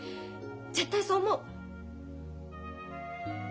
絶対そう思う。